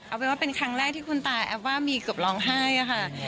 เอาเป็นว่าเป็นครั้งแรกที่คุณตาแอฟว่ามีเกือบร้องไห้อะค่ะ